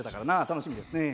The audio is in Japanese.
楽しみですね。